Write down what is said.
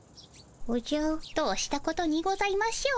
どうしたことにございましょう。